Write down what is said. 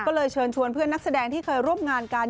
ก็เลยเชิญชวนเพื่อนนักแสดงที่เคยร่วมงานกัน